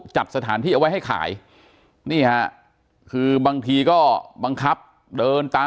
อ๋อเจ้าสีสุข่าวของสิ้นพอได้ด้วย